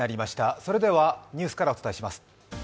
それではニュースからお伝えします。